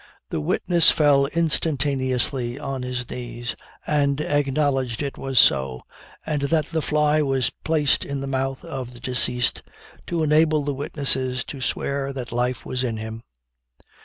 'The witness fell instantaneously on his knees, and acknowledged it was so, and that the fly was placed in the mouth of deceased to enable the witnesses to swear that life was in him.